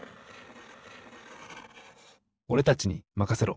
おれたちにまかせろ！